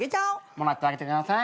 もらってあげてください。